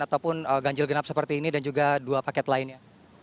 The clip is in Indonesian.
ataupun ganjil genap seperti ini dan juga dua paket lainnya